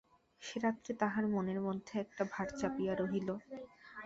সে রাত্রে তাহার মনের মধ্যে একটা ভার চাপিয়া রহিল।